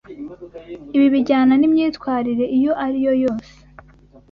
Ibi bijyana n’imyitwarire iyo ari yo yose